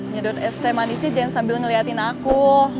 nyedot es teh manisnya jangan sambil ngeliatin aku